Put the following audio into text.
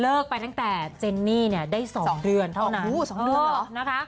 เลิกไปตั้งแต่เจนนี่ได้๒เดือนเท่านั้น